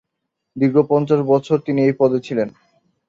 দীর্ঘ পঞ্চাশ বছর তিনি এই পদে ছিলেন।